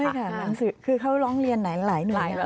ไม่ค่ะหนังสือคือเขาร้องเรียนหลายนวนงานนะคะ